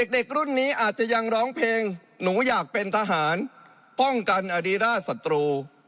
เด็กรุ่นนี้อาจจะยังร้องเพลงหนูอยากเป็นทหารป้องกันอดีราชศัตรู